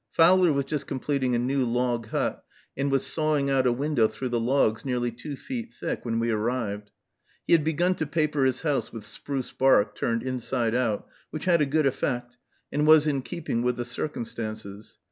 Fowler was just completing a new log hut, and was sawing out a window through the logs, nearly two feet thick, when we arrived. He had begun to paper his house with spruce bark, turned inside out, which had a good effect, and was in keeping with the circumstances.